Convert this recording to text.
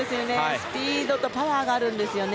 スピードとパワーがあるんですよね。